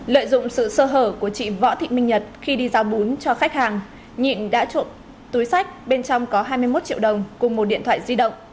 lợi dụng sự sơ hở của chị võ thị minh nhật khi đi giao bún cho khách hàng nhịn đã trộm túi sách bên trong có hai mươi một triệu đồng cùng một điện thoại di động